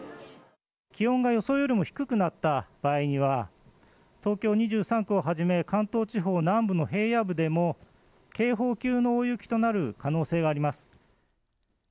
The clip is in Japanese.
気温が予想よりも低くなった場合には、東京２３区をはじめ、関東地方南部の平野部でも、警報級の大雪となる可能性があります。